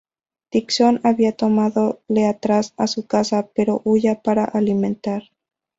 Dixon Había tomado le atrás a su casa, pero huya para alimentar.